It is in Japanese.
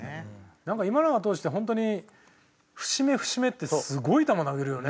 なんか今永投手ってホントに節目節目ってすごい球投げるよね。